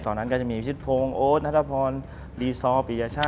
ตอนนั้นก็จะมีพิชิตโพงโอ๊ตณัฐพรรีซอร์ปียาชา